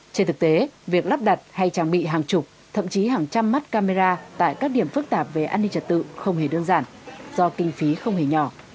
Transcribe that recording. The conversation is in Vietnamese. trên thực tế việc lắp đặt hay trang bị hàng chục thậm chí hàng trăm mắt camera tại các điểm phức tạp về an ninh trật tự không hề đơn giản do kinh phí không hề nhỏ